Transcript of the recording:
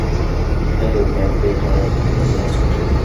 হেই, ম্যামথে চড়ার বুদ্ধিটা তোমার ছিল।